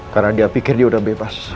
karena dia pikir dia udah bebas